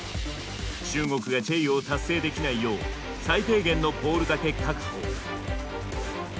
中国がチェイヨーを達成できないよう最低限のポールだけ確保。